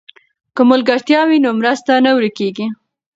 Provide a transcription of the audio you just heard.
که ملګرتیا وي نو مرسته نه ورکېږي.